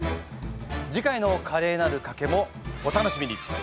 次回の「カレーなる賭け」もお楽しみに！